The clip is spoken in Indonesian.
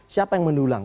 siapa yang mendulang